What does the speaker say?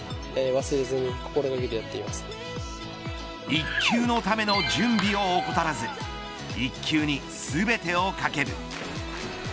１球のための準備を怠らず１球に全てをかける。